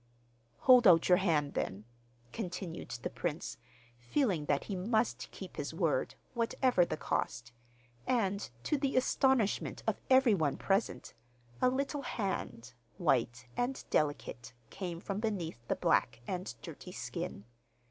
'Hold out your hand then,' continued the prince, feeling that he must keep his word, whatever the cost, and, to the astonishment of every one present, a little hand, white and delicate, came from beneath the black and dirty skin.